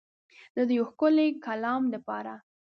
زه د یو ښکلی کلام دپاره